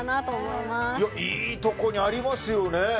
いいところにありますよね。